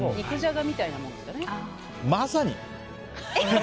まさに！